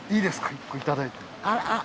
１個いただいて。